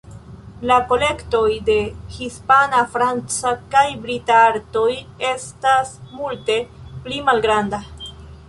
La kolektoj de hispana, franca kaj brita artoj estas multe pli malgranda.